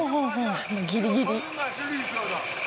ギリギリ。